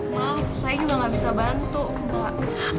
maaf saya juga nggak bisa bantu mbak